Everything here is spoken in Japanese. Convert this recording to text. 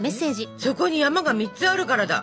「そこに山が３つあるからだ」。